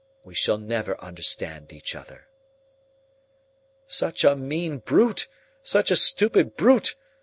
We shall never understand each other." "Such a mean brute, such a stupid brute!"